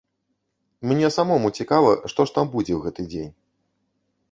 Мне самому цікава, што ж там будзе ў гэты дзень.